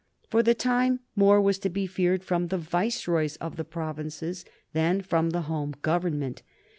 For the time more was to be feared from the viceroys of the provinces than from the Home Government.